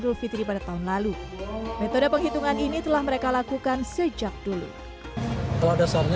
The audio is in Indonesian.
dan idul fitri pada tahun lalu metode penghitungan ini telah mereka lakukan sejak dulu kalau dasarnya